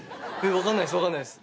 分かんないです、分かんないです。